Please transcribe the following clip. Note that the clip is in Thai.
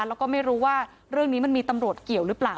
แล้วก็ไม่รู้ว่าเรื่องนี้มันมีตำรวจเกี่ยวหรือเปล่า